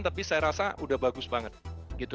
tapi saya rasa sudah bagus banget